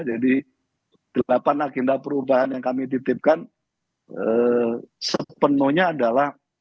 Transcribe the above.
jadi delapan agenda perubahan yang kami titipkan sepenuhnya adalah